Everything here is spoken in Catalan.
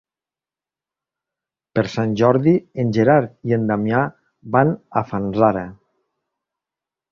Per Sant Jordi en Gerard i en Damià van a Fanzara.